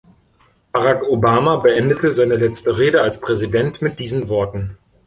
Barack Obama beendete seine letzte Rede als Präsident mit diesen Worten.